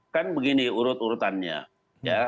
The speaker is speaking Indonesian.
kan begini urut urutannya ya